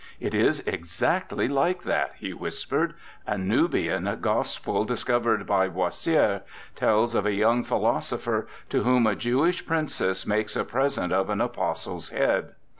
"It is exactly like that," he whispered. "A Nubian gospel discovered by Boissiere tells of a young phi losopher, to whom a Jewish princess makes a present of an apostle's head.